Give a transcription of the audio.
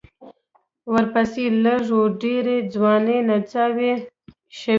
ورپسې لږ و ډېرې ځوانې نڅاوې شوې.